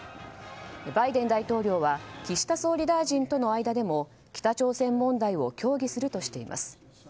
バイデン大統領は岸田総理大臣との間でも北朝鮮問題を協議するとしています。